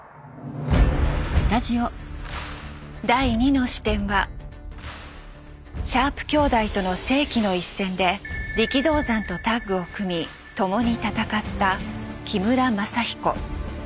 第２の視点はシャープ兄弟との世紀の一戦で力道山とタッグを組み共に戦った木村政彦。